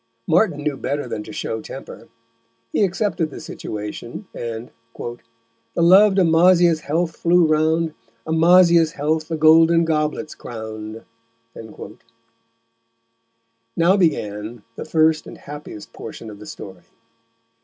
Martin knew better than to show temper; he accepted the situation, and the lov'd Amasia's Health flew round, Amasia's Health the Golden Goblets crown'd. Now began the first and happiest portion of the story.